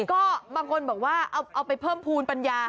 ก็บางคนบอกว่าเอาไปเพิ่มภูมิปัญญา